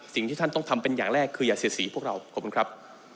สิ่งที่ท่านต้องทำเป็นอย่างแรกคืออย่าเสียสีพวกเราขอบคุณครับ